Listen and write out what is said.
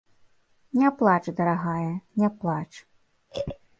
Не плач, дарагая, не плач.